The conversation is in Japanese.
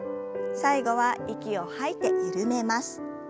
最後は息を吐いて緩めます。